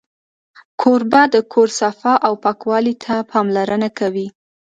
کوربه د کور صفا او پاکوالي ته پاملرنه کوي.